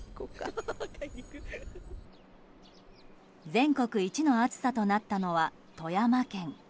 全国一の暑さとなったのは富山県。